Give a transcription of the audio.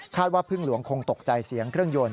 ว่าพึ่งหลวงคงตกใจเสียงเครื่องยนต์